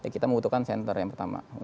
kita membutuhkan center yang pertama